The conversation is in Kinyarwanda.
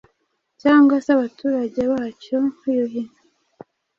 cyangwa se abaturage bacyo. Yuhi,